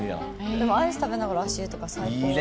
でもアイス食べながら足湯とか最高な。